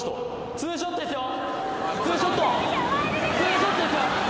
２ショットですよ。